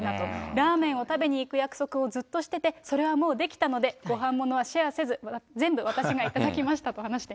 ラーメンを食べにいく約束をずっとしてて、それはもうできたので、ごはんものはシェアせず、全部、で、